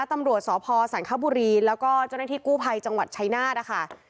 ตำรวจสพสังคบุรีแล้วก็เจ้าหน้าที่กู้ภัยจังหวัดชัยนาธนะคะ